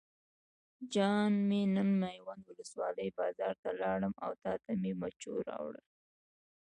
جان مې نن میوند ولسوالۍ بازار ته لاړم او تاته مې مچو راوړل.